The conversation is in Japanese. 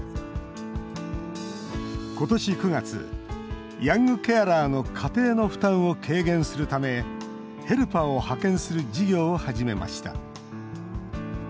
今年９月、ヤングケアラーの家庭の負担を軽減するためヘルパーを派遣する事業を始めました。